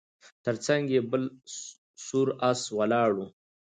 تر څنګ یې بل سور آس ولاړ و